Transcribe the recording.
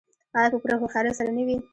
آیا په پوره هوښیارۍ سره نه وي؟